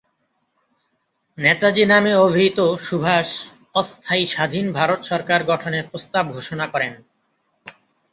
‘নেতাজী’ নামে অভিহিত সুভাষ অস্থায়ী স্বাধীন ভারত সরকার গঠনের প্রস্তাব ঘোষণা করেন।